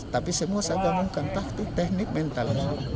tapi semua saya ganggukan taktik teknik mental